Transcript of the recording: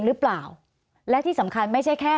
สวัสดีครับทุกคน